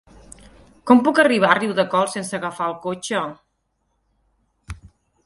Com puc arribar a Riudecols sense agafar el cotxe?